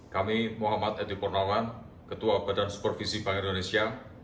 kami muhammad edi purnawan ketua badan supervisi bank indonesia